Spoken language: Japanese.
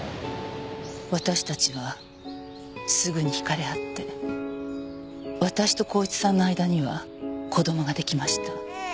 私たちはすぐに惹かれ合って私と孝一さんの間には子供が出来ました。